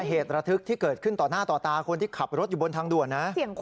เหตุระทึกที่เกิดขึ้นต่อหน้าต่อตาคนที่ขับรถอยู่บนทางด่วนนะ